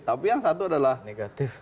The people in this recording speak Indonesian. tapi yang satu adalah negatif